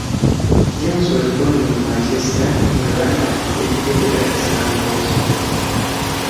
James was born in Manchester, England and educated at Stamford School.